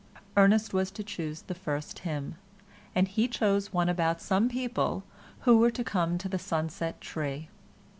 Ernest was to choose the first hymn, and he chose one about some people who were to come to the sunset tree.